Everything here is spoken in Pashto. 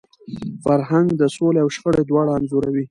فرهنګ د سولي او شخړي دواړه انځوروي.